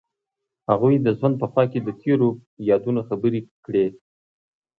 هغوی د ژوند په خوا کې تیرو یادونو خبرې کړې.